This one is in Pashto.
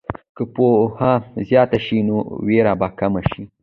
که پوهه زیاته شي، نو ویره به کمه شي.